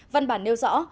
văn bản nêu rõ